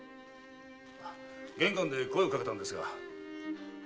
玄関で声をかけたのですが。